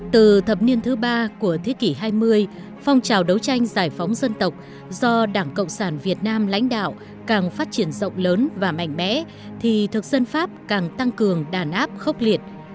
từ thập niên thứ ba của thế kỷ hai mươi phong trào đấu tranh giải phóng dân tộc do đảng cộng sản việt nam lãnh đạo càng phát triển rộng lớn và mạnh mẽ thì thực dân pháp càng tăng cường đàn áp khốc liệt